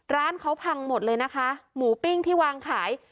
ร้านเขาพังหมดเลยนะคะหมูปิ้งที่วางขาย